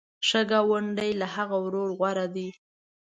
ښه ګاونډی له هغه ورور غوره دی.